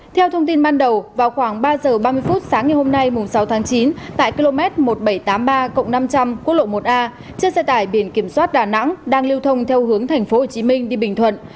theo thông tin ban đầu vào khoảng ba giờ ba mươi phút sáng ngày hôm nay sáu tháng chín tại km một nghìn bảy trăm tám mươi ba năm trăm linh quốc lộ một a chiếc xe tải biển kiểm soát đà nẵng đang lưu thông theo hướng tp hcm đi bình thuận